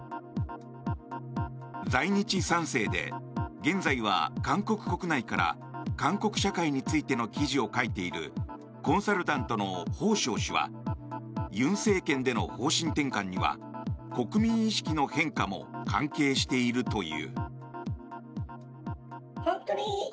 在日３世で、現在は韓国国内から韓国社会についての記事を書いているコンサルタントのホウ・ショウ氏は尹政権での方針転換には国民意識の変化も確認しているという。